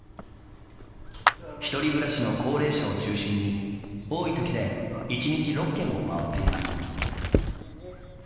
１人暮らしの高齢者を中心に多いときで１日６軒を回っています。